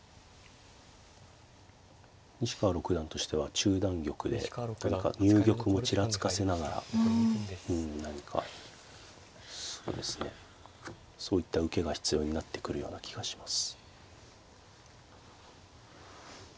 西川六段としては中段玉で何か入玉をちらつかせながらうん何かそうですねそういった受けが必要になってくるような気がします。